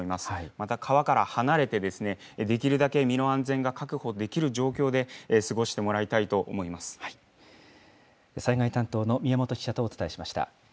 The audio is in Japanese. また川から離れて、できるだけ身の安全が確保できる状況で過ごし災害担当の宮本記者とお伝えしました。